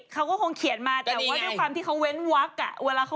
เขาก็คงเขียนมาแต่ว่าด้วยความที่เขาเว้นวักอ่ะเวลาเขา